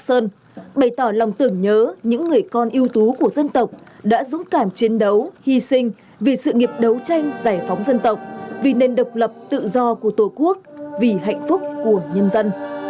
đoàn đại biểu thành kính bày tỏ lòng tưởng nhớ những người con yêu tú của dân tộc đã dũng cảm chiến đấu hy sinh vì sự nghiệp đấu tranh giải phóng dân tộc vì nền độc lập tự do của tổ quốc vì hạnh phúc của nhân dân